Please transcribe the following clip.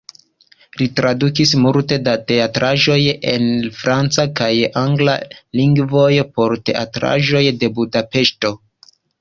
Li tradukis multe da teatraĵoj el franca kaj angla lingvoj por teatroj de Budapeŝto.